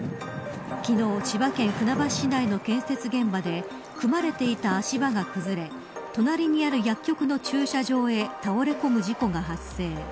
昨日、千葉県船橋市内の建設現場で組まれていた足場が崩れ隣にある薬局の駐車場へ倒れ込む事故が発生。